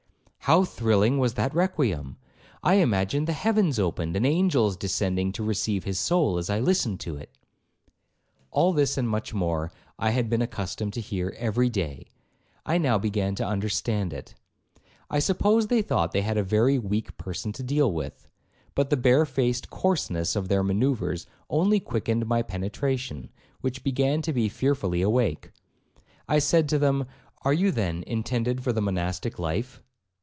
How thrilling was that requiem! I imagined the heavens opened, and angels descending to receive his soul, as I listened to it!' 'All this, and much more, I had been accustomed to hear every day. I now began to understand it. I suppose they thought they had a very weak person to deal with; but the bare faced coarseness of their manoeuvres only quickened my penetration, which began to be fearfully awake. I said to them, 'Are you, then, intended for the monastic life?'